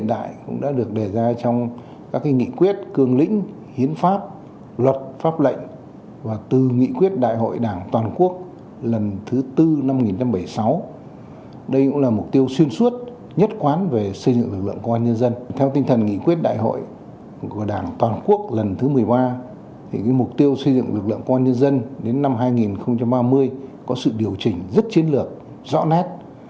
đại hội đại biểu toàn quốc lần thứ một mươi ba mục tiêu xây dựng lực lượng công an nhân dân đến năm hai nghìn ba mươi có sự điều chỉnh rất chiến lược rõ nét